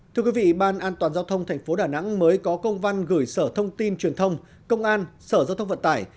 thưa quý vị ban an toàn giao thông tp đà nẵng mới có công văn gửi sở thông tin truyền thông công an sở giao thông vận tải